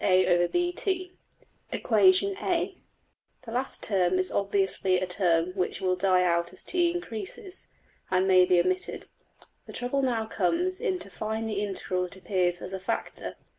] \end{DPalign*} The last term is obviously a term which will die out as $t$ increases, and may be omitted. The trouble now comes in to find the integral that appears as a factor.